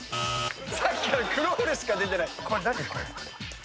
さっきからクロールしか出てない。